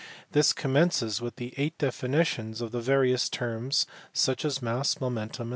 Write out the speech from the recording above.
This commences with eight definitions of various terms such as mass, momentum, &c.